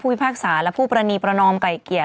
พิพากษาและผู้ปรณีประนอมไก่เกลียด